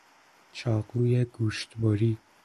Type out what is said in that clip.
چاقوی گوشتبری